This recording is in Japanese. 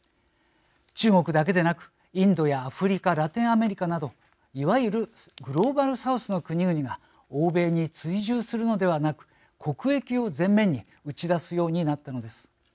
中国だけでなくインドやアフリカラテンアメリカなどいわゆるグローバルサウスの国々が欧米に追従するのではなく国益を前面に打ち出すようになったのです。